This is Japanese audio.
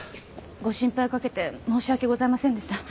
ご心配かけて申し訳ございませんでした。